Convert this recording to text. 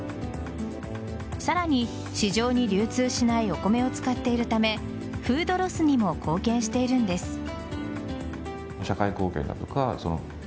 さらに、市場に流通しないお米を使っているためフードロスにも貢献しているんです。